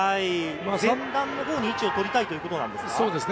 前半のほうに位置を取りたいということですか？